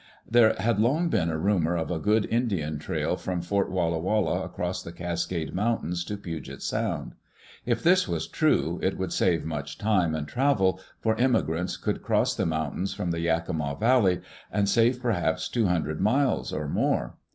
There had long been a rumor of a good Indian trail from Fort Walla Walla across the Cascade Mountains to Puget Sound. If this was true it would save much time and travel, for emigrants could cross the mountains from the Yakima Valley and save perhaps two hundred miles or more.